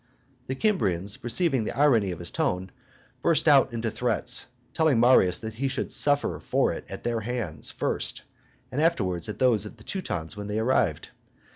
The Kymrians, perceiving the irony of his tone, burst out into threats, telling Marius that he should suffer for it at their hands first, and afterwards at those of the Teutons when they arrived.